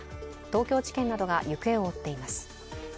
東京地検などが行方を追っています。